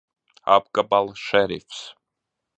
Apgabala šerifs!